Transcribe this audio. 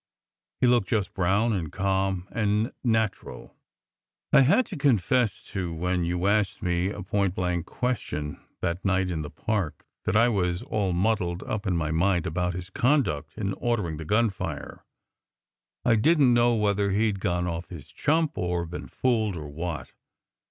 He looked just brown and calm and natural. I had to con fess to when you asked me a point blank question that 170 SECRET HISTORY night in the park, that I was all muddled up in my mind about his conduct in ordering the gunfire. I didn t know whether he d gone off his chump, or been fooled, or what.